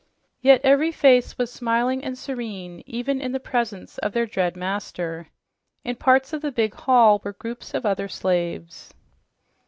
Yet every face was smiling and serene, even in the presence of their dread master. In parts of the big hall were groups of other slaves.